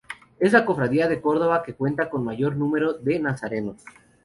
Es la cofradía de Córdoba que cuenta con mayor número de nazarenos.